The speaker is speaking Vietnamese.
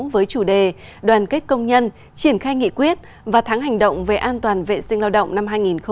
với chủ đề đoàn kết công nhân triển khai nghị quyết và tháng hành động về an toàn vệ sinh lao động năm hai nghìn hai mươi